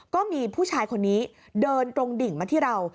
ก็มีผู้ชายคนนี้เดินตรงดิ่งมาที่เรา